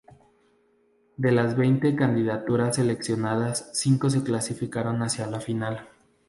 De las veinte candidaturas seleccionadas, cinco se clasificaron hacia la final.